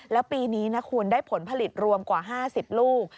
แล้วปีนี้นะคุณได้ผลผลิตรวมกว่า๕๐ลูก